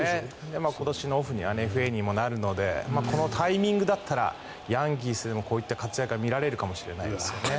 今年のオフにはＦＡにもなるのでこのタイミングだったらヤンキースでもこういった活躍が見られるかもしれないですね。